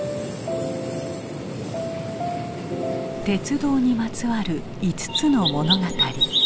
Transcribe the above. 鉄道にまつわる５つの物語。